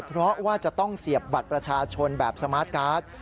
เพราะว่าจะต้องเสียบบัตรประชาชนแบบสมาร์ทการ์ด